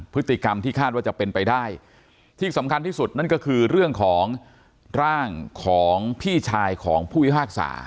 พฤติกรรมที่คาดว่าจะเป็นไปได้ที่สำคัญที่สุดนั่นก็คือเรื่องของร่างของพี่ชายของผู้พิพากษา